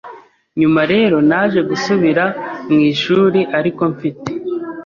nyuma rero naje gusubira mu ishuri ariko mfite